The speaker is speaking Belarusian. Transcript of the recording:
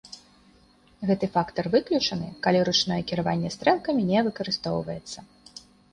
Гэты фактар выключаны, калі ручное кіраванне стрэлкамі не выкарыстоўваецца.